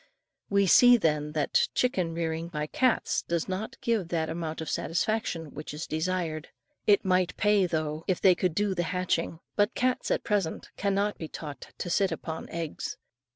We see, then, that chicken rearing by cats does not give that amount of satisfaction which is desired. It might pay, though, if they could do the hatching; but cats at present cannot be taught to sit upon eggs.